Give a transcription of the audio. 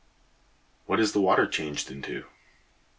What is the water changed into?